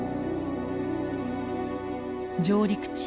上陸地